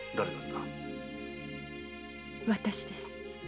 私です。